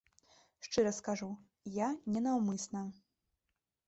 Шчыра скажу, я ненаўмысна.